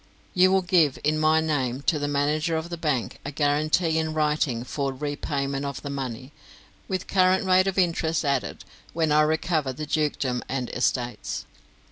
You will give, in my name, to the manager of the bank, a guarantee in writing for repayment of the money, with current rate of interest added, when I recover the dukedom and estates.